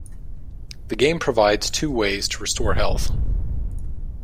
The game provides two ways to restore health.